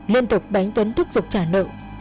liên tục bánh tuấn thúc giục trả nợ